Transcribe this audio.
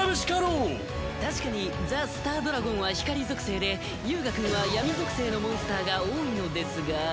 確かにザ・スタードラゴンは光属性で遊我くんは闇属性のモンスターが多いのですが。